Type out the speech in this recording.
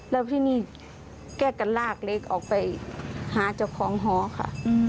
แล้วที่นี่แกก็ลากเล็กออกไปหาเจ้าของหอค่ะ